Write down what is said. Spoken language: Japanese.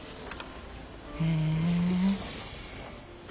へえ。